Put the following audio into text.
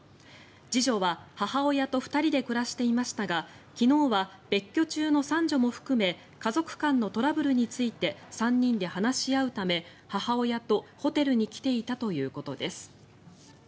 次女は母親と２人で暮らしていましたが昨日は別居中の三女も含め家族間のトラブルについて３人で話し合うため母親とホテルに来ていたということです。